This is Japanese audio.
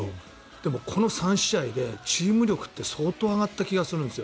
でも、この３試合でチーム力って相当上がった気がするんですよ。